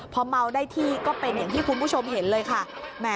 พอเมาได้ที่ก็เป็นอย่างที่คุณผู้ชมเห็นเลยค่ะ